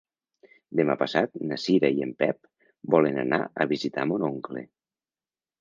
Demà passat na Cira i en Pep volen anar a visitar mon oncle.